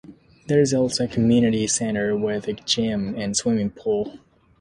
There is also a community center with a gym and swimming pool.